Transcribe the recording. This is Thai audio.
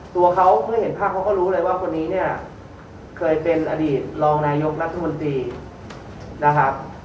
ตัวเขาเมื่อเห็นภาพเขาก็รู้เลยว่าคนนี้เนี่ยเคยเป็นอดีตรองนายกรัฐมนตรีนะครับ